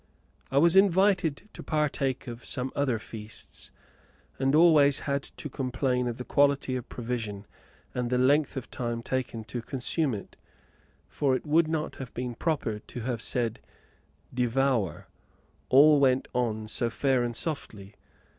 I was invited to partake of some other feasts, and always had to complain of the quantity of provision and the length of time taken to consume it; for it would not have been proper to have said devour, all went on so fair and softly.